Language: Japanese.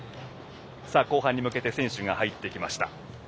後半に向けて選手が入ってきました。